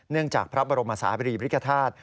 เนื่องจากพระบรมศาบรีริกฐาศ